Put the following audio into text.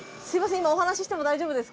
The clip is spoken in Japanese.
今お話ししても大丈夫ですか？